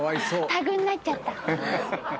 タグになっちゃった。